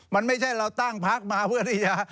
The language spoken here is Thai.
มันไม่ใช่เราตั้งพักมาเพื่อที่จะ